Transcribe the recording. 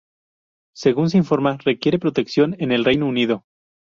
Según se informa requiere protección en el Reino Unido.